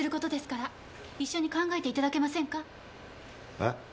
えっ？